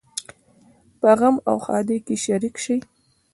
په غم او ښادۍ کې شریک شئ